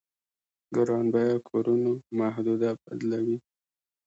ګران بيه کورونو محدوده بدلوي.